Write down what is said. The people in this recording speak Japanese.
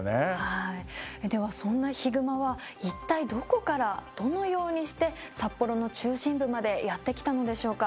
ではそんなヒグマは一体どこからどのようにして札幌の中心部までやって来たのでしょうか？